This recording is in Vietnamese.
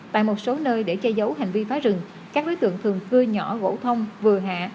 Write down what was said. tại một số nơi để che giấu hành vi phá rừng các đối tượng thường cưa nhỏ gỗ thông vừa hạ